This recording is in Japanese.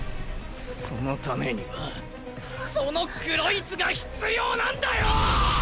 そのためにはそのクロイツが必要なんだよ！